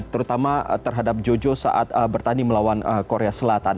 terutama terhadap jojo saat bertanding melawan korea selatan